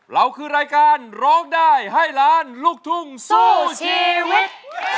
เราคือรายการร้องได้ให้ล้านลูกทุ่งสู้ชีวิต